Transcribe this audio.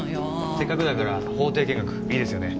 せっかくだから法廷見学いいですよね？